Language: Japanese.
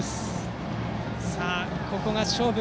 ここが勝負。